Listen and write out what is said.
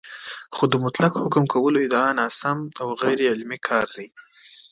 خو د مطلق حکم کولو ادعا ناسم او غیرعلمي کار دی